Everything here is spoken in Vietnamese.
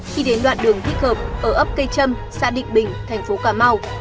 khi đến đoạn đường thích hợp ở ấp cây trâm xã định bình thành phố cà mau